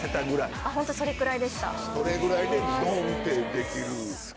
それぐらいでずどんってできる。